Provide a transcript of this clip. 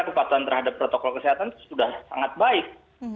nah kepatuan terhadap protokol kesehatan itu sudah sangat baik